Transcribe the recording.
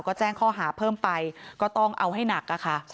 ก็แจ้งข้อหาเพิ่มไปก็ต้องเอาให้หนักค่ะ